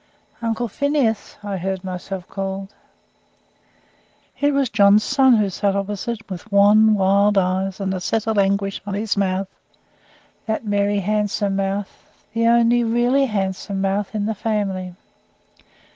"Uncle Phineas." I heard myself called. It was John's son, who sat opposite, with wan, wild eyes, and a settled anguish on his mouth that merry, handsome mouth the only really handsome mouth in the family.